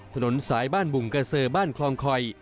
ถนนสายบ้านบุงกระเซอบ้านคลองคอย